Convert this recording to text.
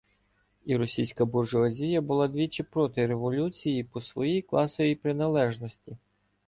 І російська буржуазія була двічі проти революції по своїй класовій приналежності.